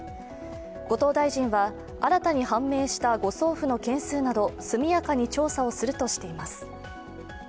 後藤大臣は、新たに判明した誤送付の件数など速やかに調査をするとしています。